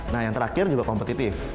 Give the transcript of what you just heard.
nah yang terakhir juga kompetitif